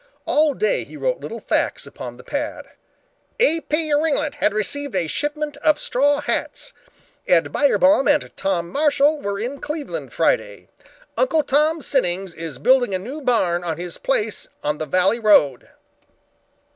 All day he wrote little facts upon the pad. "A. P. Wringlet had received a shipment of straw hats. Ed Byerbaum and Tom Marshall were in Cleveland Friday. Uncle Tom Sinnings is building a new barn on his place on the Valley Road."